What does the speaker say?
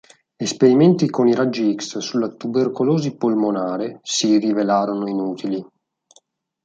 Esperimenti con i raggi x sulla tubercolosi polmonare si rivelarono inutili.